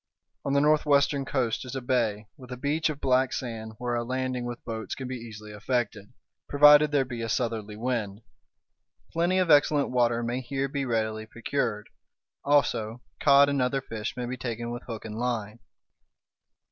On the northwestern coast is a bay, with a beach of black sand where a landing with boats can be easily effected, provided there be a southerly wind. Plenty of excellent water may here be readily procured; also cod and other fish may be taken with hook and line.